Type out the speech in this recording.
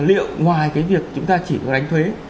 liệu ngoài cái việc chúng ta chỉ có đánh thuế